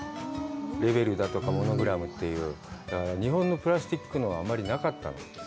レベルだとかモノグラムという日本のプラスチックの、あまりなかったの。